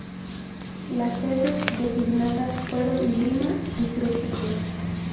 Las sedes designadas fueron Lima y Trujillo.